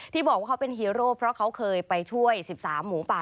ที่บอกว่าเขาเป็นฮีโร่เพราะเขาเคยไปช่วย๑๓หมูป่า